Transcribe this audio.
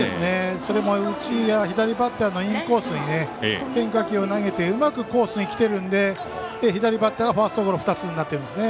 それも左バッターのインコースに変化球を投げてうまくコースに来ているので左バッターはファーストゴロ２つになっているんですね。